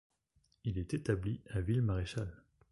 Il est établi à Villemaréchal.